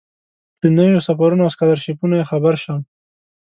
له نویو سفرونو او سکالرشیپونو یې خبر شم.